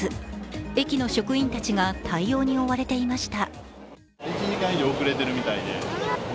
駅の職員たちが対応に追われていました。